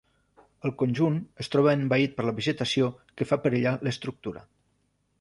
El conjunt es troba envaït per la vegetació que fa perillar l'estructura.